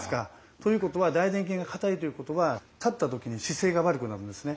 ということは大臀筋が硬いということは立った時に姿勢が悪くなるんですね。